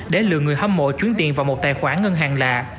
để lừa người hâm mộ chuyển tiền vào một tài khoản ngân hàng lạ